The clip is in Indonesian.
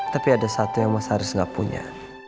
tapi ada satu yang mas haris nggak punya